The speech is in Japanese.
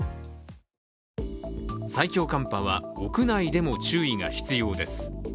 最強寒波は、屋内でも注意が必要です。